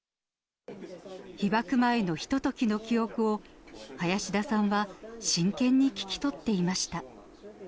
被爆前のひとときの記憶を、林田さんは真剣に聞き取っていました。